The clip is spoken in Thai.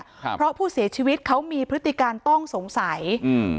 ครับเพราะผู้เสียชีวิตเขามีพฤติการต้องสงสัยอืม